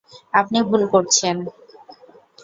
আপনি ভুল করছেন।